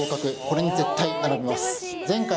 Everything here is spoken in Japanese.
これに絶対並びます